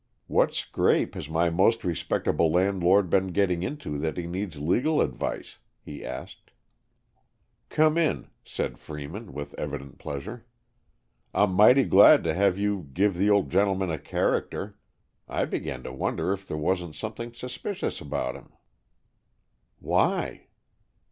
"What scrape has my most respectable landlord been getting into, that he needs legal advice?" he asked. "Come in," said Freeman, with evident pleasure. "I'm mighty glad to have you give the old gentleman a character. I began to wonder if there wasn't something suspicious about him." "Why?"